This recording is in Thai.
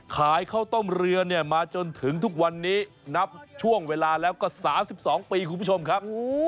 ข้าวต้มเรือเนี่ยมาจนถึงทุกวันนี้นับช่วงเวลาแล้วก็๓๒ปีคุณผู้ชมครับ